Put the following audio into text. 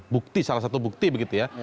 bukti salah satu bukti begitu ya